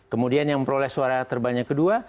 kemudian yang memperoleh suara terbanyak kedua